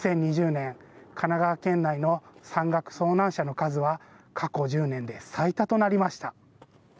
２０２０年、神奈川県内の山岳遭難者の数は過去１０年で最多となりました。